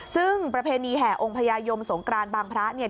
ซึ่งประเพณีแห่องค์พญายมสงกรานบางพระเนี่ย